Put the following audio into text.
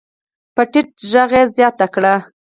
په ټيټ غږ يې زياته کړه.